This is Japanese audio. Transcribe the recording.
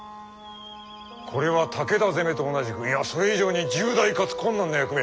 これは武田攻めと同じくいやそれ以上に重大かつ困難な役目。